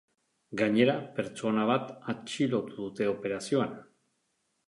Gainera, pertsona bat atxilotu dute operazioan.